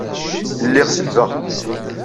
Lliɣ selbeɣ.